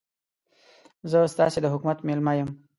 زه ستاسې د حکومت مېلمه یم.